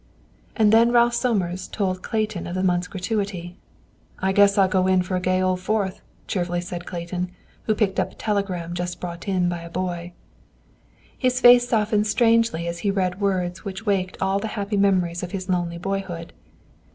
And then Ralph Somers told Clayton of the month's gratuity. "I guess I'll go in for a gay old Fourth!" cheerfully said Clayton, who picked up a telegram just brought in by a boy. His face softened strangely as he read words which waked all the happy memories of his lonely boyhood.